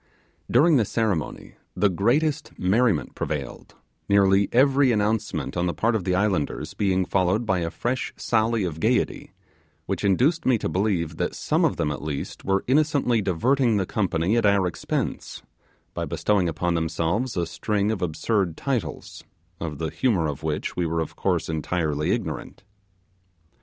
During this ceremony the greatest merriment prevailed nearly every announcement on the part of the islanders being followed by a fresh sally of gaiety, which induced me to believe that some of them at least were innocently diverting the company at our expense, by bestowing upon themselves a string of absurd titles, of the humour of which we were of course entirely ignorant.